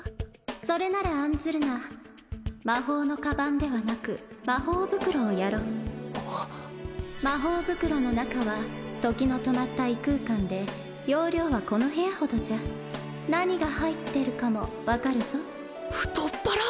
それなら案ずるな魔法の鞄ではなく魔法袋をやろう魔法袋の中は時の止まった異空間で容量はこの部屋ほどじゃ何が入ってるかも分かるぞ太っ腹！